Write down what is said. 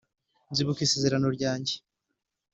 nzibuka isezerano ryanjye